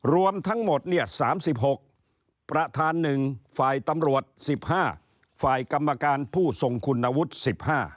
รวมทั้งหมดเนี่ย๓๖ประธาน๑ฝ่ายตำรวจ๑๕ฝ่ายกรรมการผู้ทรงคุณวุฒิ๑๕